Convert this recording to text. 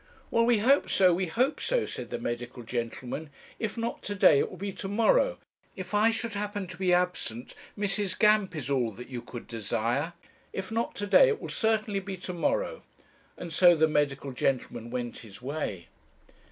"'Well, we hope so we hope so,' said the medical gentleman. 'If not to day, it will be to morrow. If I should happen to be absent, Mrs. Gamp is all that you could desire. If not to day, it will certainly be to morrow,' and so the medical gentleman went his way.